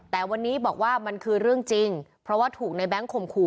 แต่วันนี้บอกว่ามันคือเรื่องจริงเพราะว่าถูกในแง๊งข่มขู่